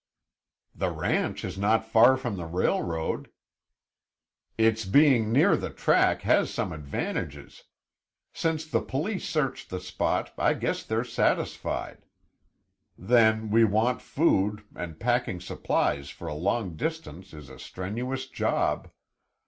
"The ranch is not far from the railroad." "Its being near the track has some advantages. Since the police searched the spot, I guess they're satisfied. Then we want food, and packing supplies for a long distance is a strenuous job.